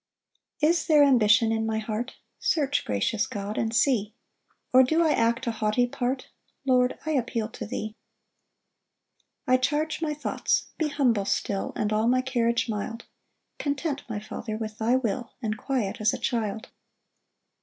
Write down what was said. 1 Is there ambition in my heart? Search, gracious God, and see; Or do I act a haughty part? Lord, I appeal to thee. 2 I charge my thoughts, be humble still, And all my carriage mild, Content, my Father, with thy will, And quiet as a child.